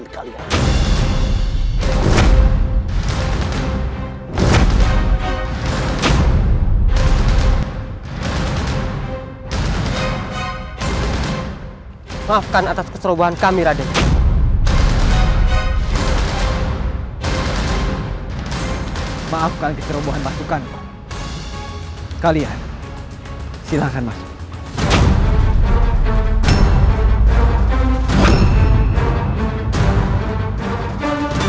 kalian silahkan masuk